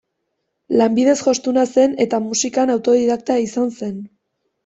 Lanbidez jostuna zen eta musikan autodidakta izan zen.